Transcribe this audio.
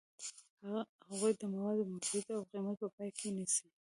هغوی د موادو موجودیت او قیمت په پام کې نیسي.